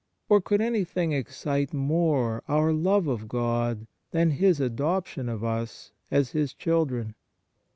Or could anything excite more our love of God than His adoption of us as His children